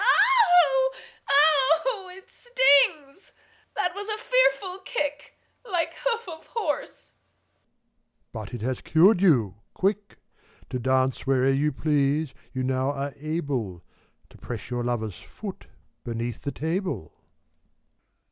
Oh ! oh ! it stings I That was a fearful kick, Like hoof of horse. MEPHISTOPHELES. But it has cured you, quick. To dance whene'er you please, you now are able ; To press your lover's foot, beneath the table.